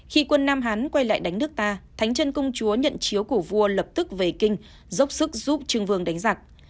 khi quân nam hán quay lại đánh nước ta thánh chân công chúa nhận chiếu của vua lập tức về kinh dốc sức giúp trương vương đánh giặc